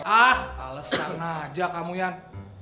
ah alesan aja kamu yan